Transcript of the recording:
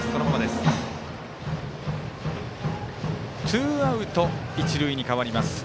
ツーアウト、一塁に変わります。